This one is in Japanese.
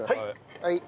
はい。